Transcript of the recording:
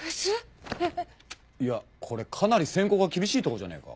いやこれかなり選考が厳しいとこじゃねえか。